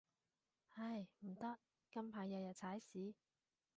唉，唔得，近排日日踩屎